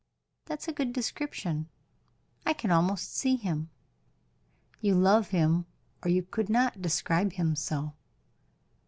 "That is a good description; I can almost see him. You love him or you could not describe him so."